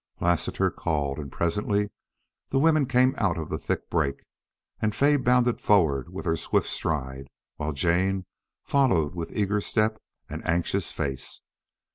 Lassiter called, and presently the women came out of the thick brake, and Fay bounded forward with her swift stride, while Jane followed with eager step and anxious face.